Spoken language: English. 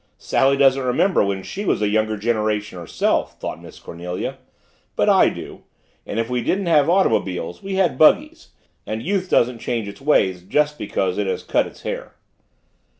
"Sally doesn't remember when she was a younger generation herself," thought Miss Cornelia. "But I do and if we didn't have automobiles, we had buggies and youth doesn't change its ways just because it has cut its hair.